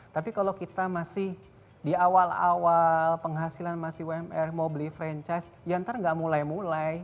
tapi kalau kita masih di awal awal penghasilan masih umr mau beli franchise ya ntar nggak mulai mulai